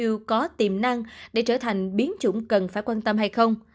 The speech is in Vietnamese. dù có tiềm năng để trở thành biến chủng cần phải quan tâm hay không